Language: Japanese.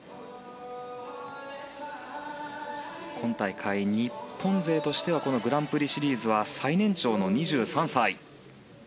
今大会、日本勢としては共にグランプリシリーズは最年長の２３歳。